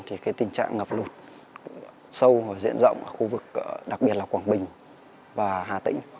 thì tình trạng ngập đột sâu diện rộng ở khu vực đặc biệt là quảng bình và hà tĩnh